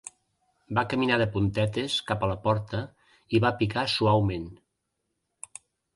Va caminar de puntetes cap a la porta i va picar suaument.